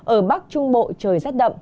ở bắc trung bộ trời rất đậm